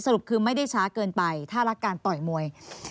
รุปคือไม่ได้ช้าเกินไปถ้ารักการต่อยมวย